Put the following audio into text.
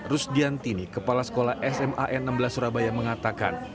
rusdiantini kepala sekolah sma n enam belas surabaya mengatakan